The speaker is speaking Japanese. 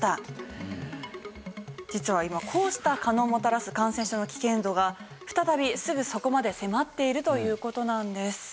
実は今こうした蚊のもたらす感染症の危険度が再びすぐそこまで迫っているという事なんです。